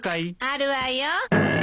あるわよ。